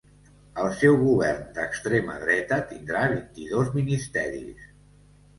El seu govern d’extrema dreta tindrà vint-i-dos ministeris.